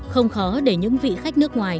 không khó để những vị khách nước ngoài